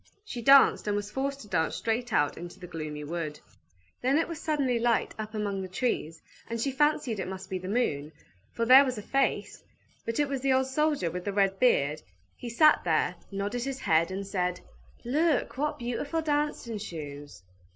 She danced, and was forced to dance straight out into the gloomy wood. Then it was suddenly light up among the trees, and she fancied it must be the moon, for there was a face; but it was the old soldier with the red beard; he sat there, nodded his head, and said, "Look, what beautiful dancing shoes!"